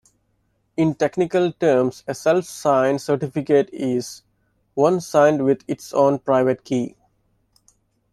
In technical terms a self-signed certificate is one signed with its own private key.